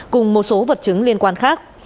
cùng một số vật chứng liên quan khác